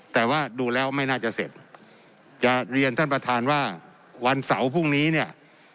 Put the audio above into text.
แต่ว่าดูแล้วไม่น่าจะเสร็จจะเรียนท่านประธานว่าวันเสาร์พรุ่งนี้เนี่ย